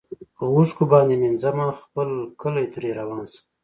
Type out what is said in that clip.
په اوښکو باندي مینځمه خپل کلی ترې روان شم